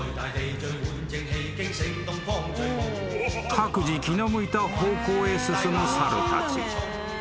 ［各自気の向いた方向へ進む猿たち］